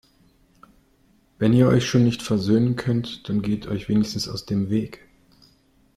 Wenn ihr euch schon nicht versöhnen könnt, dann geht euch wenigstens aus dem Weg!